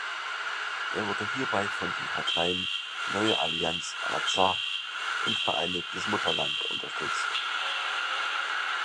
Er wurde hierbei von den Parteien Neue Allianz Arzach und Vereinigtes Mutterland unterstützt.